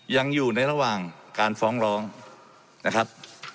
ยังอยู่ในระหว่างการฟ้องร้องนะครับ